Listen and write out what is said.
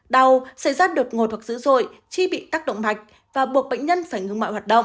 đau xảy ra đột ngột hoặc dữ dội chi bị tác động mạch và buộc bệnh nhân phải ngừng mọi hoạt động